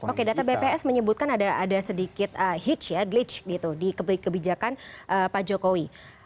oke data bps menyebutkan ada sedikit hitch ya gleach gitu di kebijakan pak jokowi